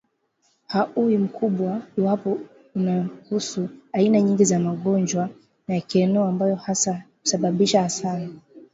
hauwi mkubwa iwapo unahusu aina nyingi za magonjwa ya kieneo ambayo hasa husababisha hasara